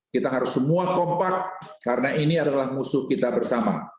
kita harus semua kompak karena ini adalah musuh kita bersama